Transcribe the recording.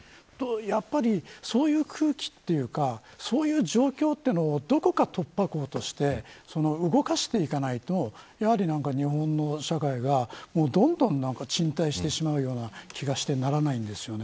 やっぱり、そういう空気というかそういう状況をどこか突破口として動かしていかないとやはり日本の社会がどんどん沈滞してしまうような気がしてならないんですよね。